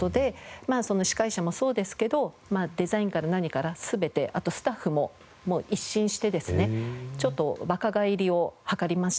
司会者もそうですけどデザインから何から全てあとスタッフももう一新してですねちょっと若返りを図りました。